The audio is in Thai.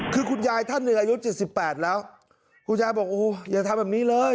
คือคุณยายท่านหนึ่งอายุ๗๘แล้วคุณยายบอกโอ้โหอย่าทำแบบนี้เลย